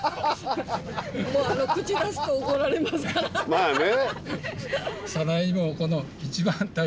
まあね。